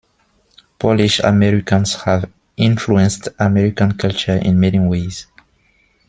Polish-Americans have influenced American culture in many ways.